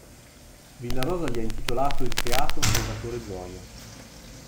Villarosa gli ha intitolato il teatro Salvatore Gioia.